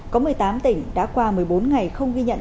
có một mươi tám tỉnh đã qua một mươi bốn ngày không ghi nhận